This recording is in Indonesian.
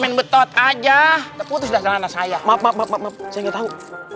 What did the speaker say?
menbetot aja putus dah salah saya maaf maaf maaf maaf saya nggak tahu